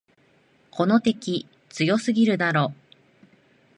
この敵、強すぎるだろ。